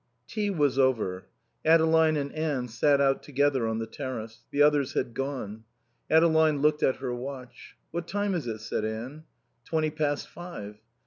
iv Tea was over. Adeline and Anne sat out together on the terrace. The others had gone. Adeline looked at her watch. "What time is it?" said Anne. "Twenty past five."